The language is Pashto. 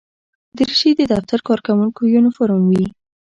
دریشي د دفتر کارکوونکو یونیفورم وي.